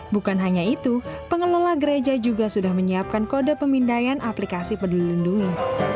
bukan hanya itu pengelola gereja juga sudah menyiapkan kode pemindaian aplikasi peduli lindungi